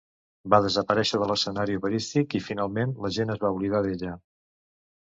Va desaparèixer de l'escenari operístic i finalment la gent es va oblidar d'ella.